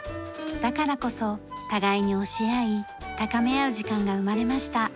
だからこそ互いに教え合い高め合う時間が生まれました。